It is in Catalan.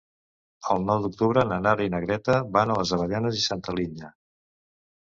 El nou d'octubre na Nara i na Greta van a les Avellanes i Santa Linya.